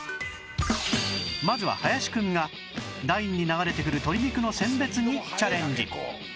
まずは林くんがラインに流れてくる鶏肉の選別にチャレンジ